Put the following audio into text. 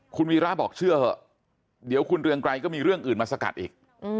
คุณวีระบอกเชื่อเถอะเดี๋ยวคุณเรืองไกรก็มีเรื่องอื่นมาสกัดอีก